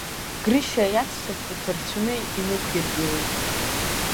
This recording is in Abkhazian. Грышьа иаҵәцақәа ҭарцәны инықәиргылеит.